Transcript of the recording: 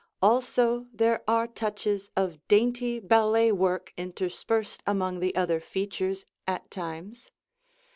Also there are touches of dainty ballet work interspersed among the other features, at times.